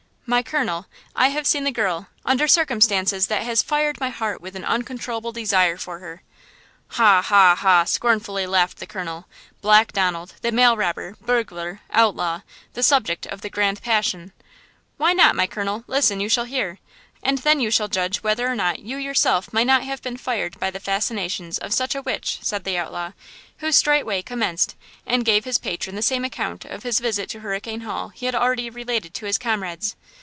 "My colonel, I have seen the girl, under circumstances that has fired my heart with an uncontrollable desire for her." "Ha, ha, ha!" scornfully laughed the colonel. "Black Donald, the mail robber, burglar, outlaw, the subject of the grand passion!" "Why not, my colonel? Listen, you shall hear! And then you shall judge whether or not you yourself might not have been fired by the fascinations of such a witch!" said the outlaw, who straightway commenced and gave his patron the same account of his visit to Hurricane Hall that he had already related to his comrades.